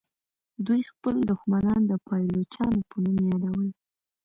دوی خپل دښمنان د پایلوچانو په نوم یادول.